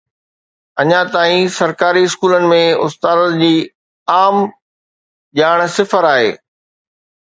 اڃا تائين سرڪاري اسڪولن ۾ استادن جي عام ڄاڻ صفر آهي